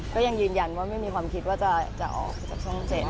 ก็ยังยืนยันไม่มีความคิดว่าจะออกถึงช่องเจ็ด